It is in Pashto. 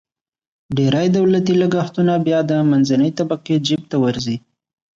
ډېری دولتي لګښتونه بیا د منځنۍ طبقې جیب ته ورځي.